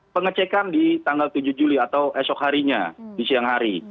pengecekan di tanggal tujuh juli atau esok harinya di siang hari